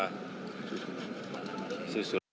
jadi sudah selesai